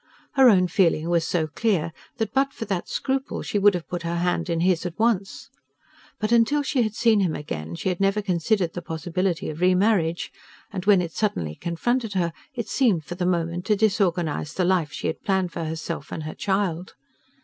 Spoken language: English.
Her own feeling was so clear that but for that scruple she would have put her hand in his at once. But till she had seen him again she had never considered the possibility of re marriage, and when it suddenly confronted her it seemed, for the moment, to disorganize the life she had planned for herself and her child.